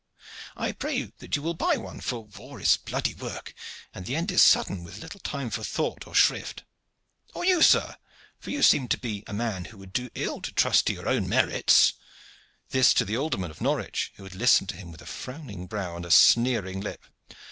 I pray you that you will buy one, for war is bloody work, and the end is sudden with little time for thought or shrift. Or you, sir, for you seem to me to be a man who would do ill to trust to your own merits." This to the alderman of Norwich, who had listened to him with a frowning brow and a sneering lip.